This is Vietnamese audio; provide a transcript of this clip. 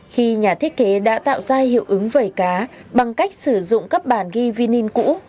khi nhà thiết kế đã tạo ra hiệu ứng vẩy cá bằng cách sử dụng các bản ghi vinin cũ